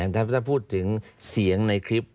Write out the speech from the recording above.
ถ้าพูดถึงเสียงในคลิป